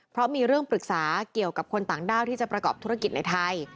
เพราะมีเรื่องปรึกษาเกี่ยวกับคนต่างด้าวที่จะประกอบธุรกิจในไทย